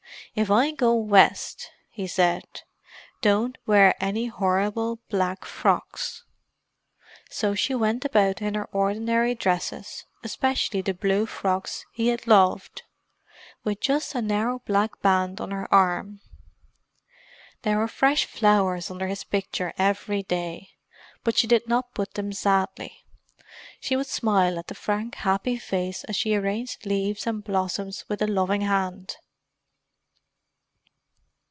"If I go West," he said, "don't wear any horrible black frocks." So she went about in her ordinary dresses, especially the blue frocks he had loved—with just a narrow black band on her arm. There were fresh flowers under his picture every day, but she did not put them sadly. She would smile at the frank happy face as she arranged leaves and blossoms with a loving hand.